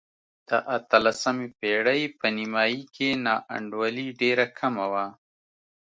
د اتلسمې پېړۍ په نیمايي کې نا انډولي ډېره کمه وه.